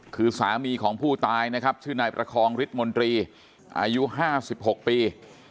คือสามีของผู้ตายนะครับชื่อนายประคองฤทธมนตรีอายุ๕๖ปี